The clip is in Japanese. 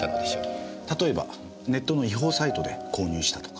例えばネットの違法サイトで購入したとか。